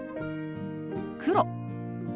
「黒」。